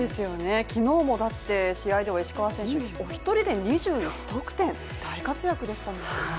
昨日も試合では石川選手、お一人で２１得点、大活躍でしたよね。